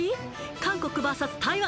韓国ＶＳ台湾